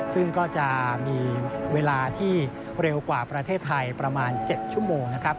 ซึ่งก็จะมีเวลาที่เร็วกว่าประเทศไทยประมาณ๗ชั่วโมงนะครับ